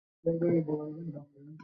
আশা করি আপনি অভিযোগ নিতে ভয় পাচ্ছেন না?